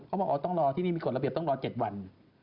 เขาก็บอกต้องรอที่นี่มีกฎระเบียบต้องรอเจ็ดวัน